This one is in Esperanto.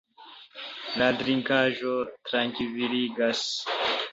La drinkaĵo trankviligas.